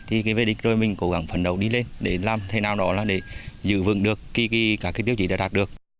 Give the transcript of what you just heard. thì về địch rồi mình cố gắng phấn đấu đi lên để làm thế nào đó là để giữ vững được khi các tiêu chí đã đạt được